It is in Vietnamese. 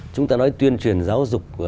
chúng ta nói tuyên truyền giáo dục